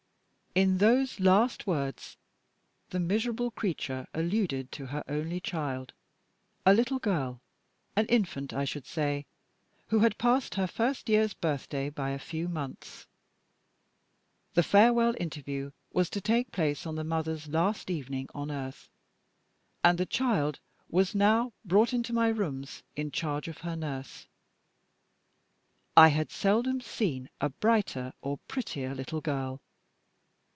In those last words the miserable creature alluded to her only child, a little girl (an infant, I should say), who had passed her first year's birthday by a few months. The farewell interview was to take place on the mother's last evening on earth; and the child was now brought into my rooms, in charge of her nurse. I had seldom seen a brighter or prettier little girl.